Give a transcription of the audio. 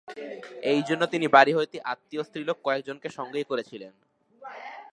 এইজন্য তিনি বাড়ি হইতে আত্মীয় স্ত্রীলোক কয়েকজনকে সঙ্গেই আনিয়াছিলেন।